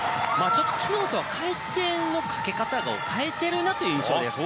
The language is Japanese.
昨日とは回転のかけ方を変えているなという印象です。